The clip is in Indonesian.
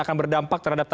karena sudaherma nang